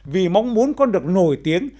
vì mong muốn con được nổi tiếng